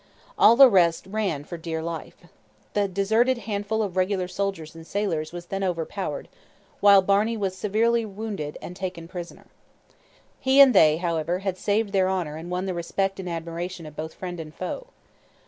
All the rest ran for dear life. The deserted handful of regular soldiers and sailors was then overpowered; while Barney was severely wounded and taken prisoner. He and they, however, had saved their honour and won the respect and admiration of both friend and foe.